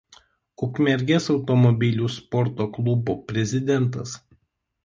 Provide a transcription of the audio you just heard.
Ukmergės automobilių sporto klubo prezidentas.